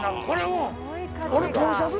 これを。